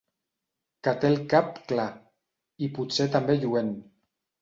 Que té el cap clar, i potser també lluent.